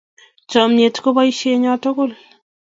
Chomnyet ko boisyenyo tugul.